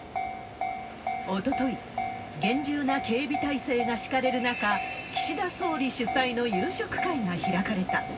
おととい、厳重な警備態勢が敷かれる中、岸田総理主催の夕食会が開かれた。